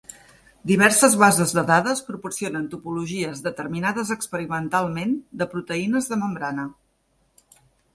Diverses bases de dades proporcionen topologies determinades experimentalment de proteïnes de membrana.